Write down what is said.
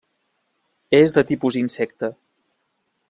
És de tipus insecte.